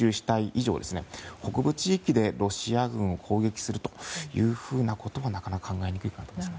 以上ここの地域でロシア軍を攻撃するということはなかなか考えにくいかと思います。